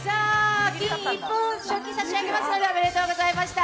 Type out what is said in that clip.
金一封、賞金差し上げます、おめでとうございました。